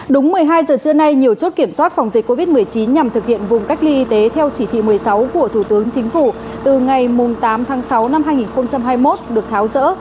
đúng một mươi hai giờ trưa nay nhiều chốt kiểm soát phòng dịch covid một mươi chín nhằm thực hiện vùng cách ly y tế theo chỉ thị một mươi sáu của thủ tướng chính phủ từ ngày tám tháng sáu năm hai nghìn hai mươi một được tháo rỡ